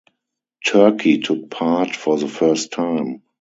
Turkey took part for the first time.